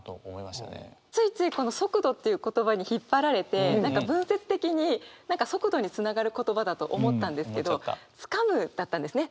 ついついこの「速度」という言葉に引っ張られて何か文節的に「速度」につながる言葉だと思ったんですけど「掴む」だったんですね。